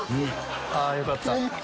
あよかった。